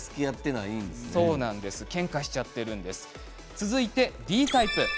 続いてＤタイプ。